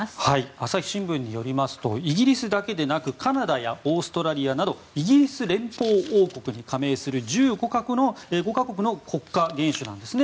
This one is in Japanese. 朝日新聞によりますとイギリスだけでなくカナダやオーストラリアなどイギリス連邦王国に加盟する１５か国の国家元首なんですね。